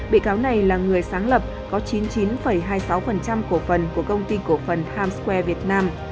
bị cáo này là người sáng lập có chín mươi chín hai mươi sáu cổ phần của công ty cổ phần hamsware việt nam